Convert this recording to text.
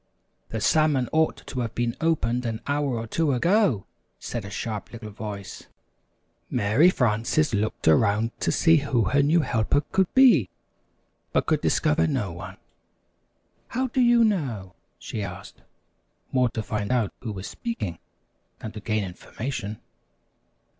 "The salmon ought to have been opened an hour or two ago," said a sharp little voice. Mary Frances looked around to see who her new helper could be, but could discover no one. "How do you know?" she asked, more to find out who was speaking than to gain information.